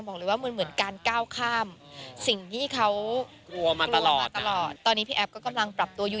บอกเลยว่ามันเหมือนการก้าวข้ามสิ่งที่เขากลัวมาตลอดตลอดตอนนี้พี่แอฟก็กำลังปรับตัวอยู่